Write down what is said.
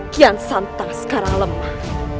kian santang sekarang lemah